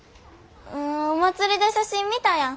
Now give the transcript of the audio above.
お祭りで写真見たやん。